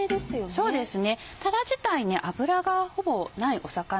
そうですね。